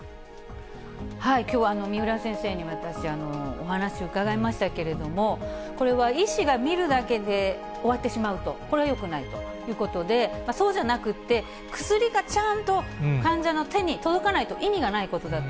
きょうは、三浦先生に、私、お話を伺いましたけれども、これは、医師が診るだけで終わってしまうと、これはよくないということで、そうじゃなくって、薬がちゃんと患者の手に届かないと意味がないことだと。